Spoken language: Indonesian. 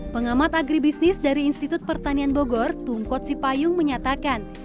pengamat agribisnis dari institut pertanian bogor tungkot sipayung menyatakan